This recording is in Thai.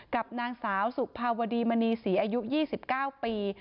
กับนางสาวสุภาวดีมณีศรีอายุ๒๙ปี